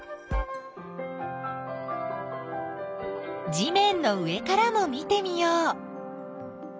地めんの上からも見てみよう。